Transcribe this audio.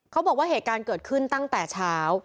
เขาบอกว่าเหตุการณ์เกิดขึ้นตั้งแต่เช้า